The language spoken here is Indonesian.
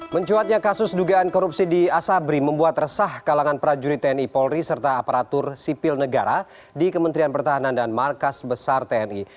mencuatnya kasus dugaan korupsi di asabri membuat resah kalangan prajurit tni polri serta aparatur sipil negara di kementerian pertahanan dan markas besar tni